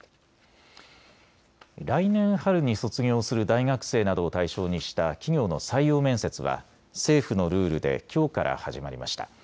来年春に卒業する大学生などを対象にした企業の採用面接は政府のルールできょうから始まりました。